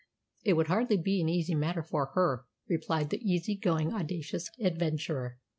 "It would hardly be an easy matter for her," replied the easy going, audacious adventurer.